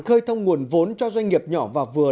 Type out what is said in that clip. khơi thông nguồn vốn cho doanh nghiệp nhỏ và vừa